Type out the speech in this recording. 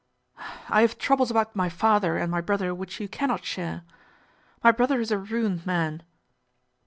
"I have troubles about my father and my brother which you cannot share. My brother is a ruined man."